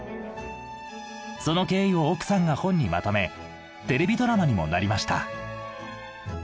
その経緯を奥さんが本にまとめテレビドラマにもなりました。